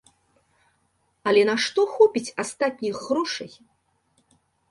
Але на што хопіць астатніх грошай?